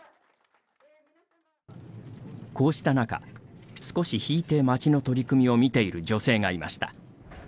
こうした中少し引いて町の取り組みを見ている女性がいました。